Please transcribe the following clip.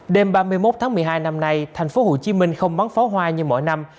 đêm ba mươi một tháng một mươi hai năm nay thành phố hồ chí minh không bắn pháo hoa như mỗi năm